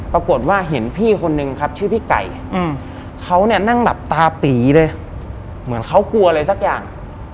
ปรากฏว่าเห็นพี่คนนึงครับชื่อพี่ไก่เขาเนี่ยนั่งหลับตาปีเลยเหมือนเขากลัวอะไรสักอย่าง